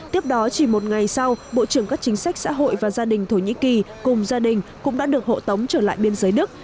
tiếp đó chỉ một ngày sau bộ trưởng các chính sách xã hội và gia đình thổ nhĩ kỳ cùng gia đình cũng đã được hộ tống trở lại biên giới đức